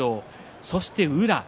そして宇良です。